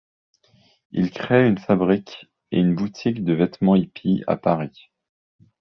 Il crée une fabrique et une boutique de vêtements hippies à Paris.